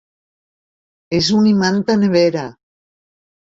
És un imant de nevera!